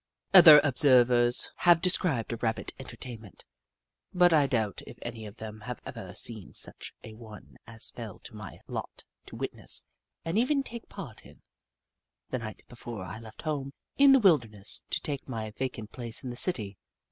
Other observers have described a Rabbit entertainment, but I doubt if any of them have ever seen such a one as fell to my lot to witness and even take part in, the night be fore I left my home in the wilderness to take my vacant place in the city.